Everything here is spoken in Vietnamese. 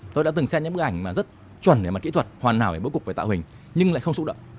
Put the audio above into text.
tôi đã từng xem những bức ảnh mà rất chuẩn về mặt kỹ thuật hoàn hảo về bữa cục phải tạo hình nhưng lại không xúc động